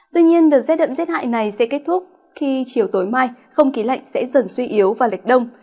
tuy nhiên đợt rét đậm rét hại này sẽ kết thúc khi chiều tối mai không khí lạnh sẽ dần suy yếu và lệch đông